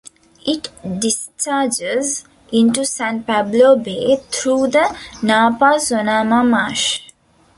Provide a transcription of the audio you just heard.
It discharges into San Pablo Bay through the Napa Sonoma Marsh.